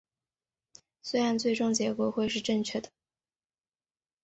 虽然最终结果会是正确的